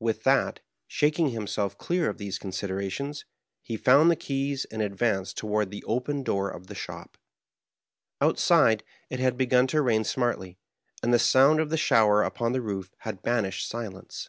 With that, shaking himself clear of these considera Digitized by VjOOQIC 64 MABKHEIM. tioiiB, he found the keys and advanced toward the open door of the shop. Outside, it had begun to rain emartly ; and the sound of the shower upon the roof had banished silence.